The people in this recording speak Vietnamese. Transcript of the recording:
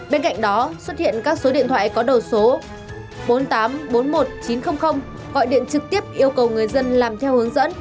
bên cạnh đó xuất hiện các số điện thoại có đầu số bốn nghìn tám trăm bốn mươi một chín trăm linh gọi điện trực tiếp yêu cầu người dân làm theo hướng dẫn